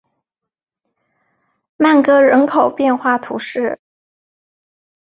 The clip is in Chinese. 曼戈人口变化图示